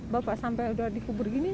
bapak sampai udah dikubur gini